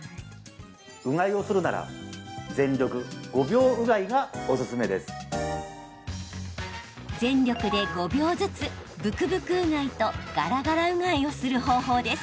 全力で５秒ずつブクブクうがいとガラガラうがいをする方法です。